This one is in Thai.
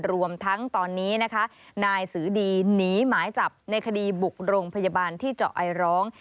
รวมทั้งตอนนี้นะคะนายสือดีหนีหมายจับในคดีบุกโรงพยาบาลที่เจาะไอร้อง